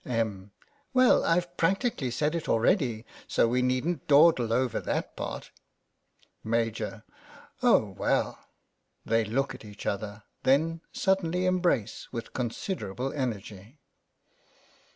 Em. : Well, I've practically said it already, so we needn't dawdle over that part. Maj. : Oh, well (They look at each other, then suddenly embrace with considerable energy.)